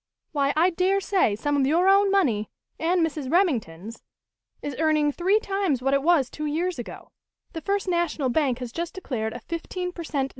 Why, I dare say, some of your own money and Mrs. Remington's is earning three times what it was two years ago. The First National Bank has just declared a fifteen per cent.